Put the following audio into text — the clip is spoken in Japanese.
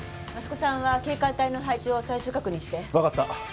益子さんは警官隊の配置を最終確認して。分かった。